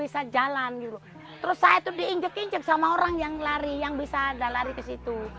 saya diinjek sama orang yang lari yang bisa lari ke situ